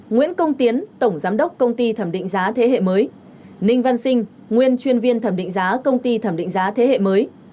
nguyễn công tiến tổng giám đốc công ty thẩm định giá thế hệ mới ninh văn sinh nguyên chuyên viên thẩm định giá công ty thẩm định giá thế hệ mới